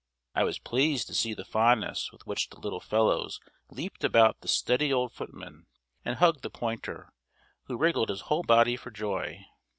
I was pleased to see the fondness with which the little fellows leaped about the steady old footman, and hugged the pointer, who wriggled his whole body for joy.